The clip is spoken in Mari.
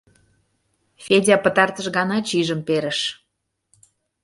Федя пытартыш гана чижым перыш.